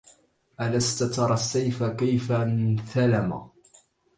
ألست ترى السيف كيف انثلم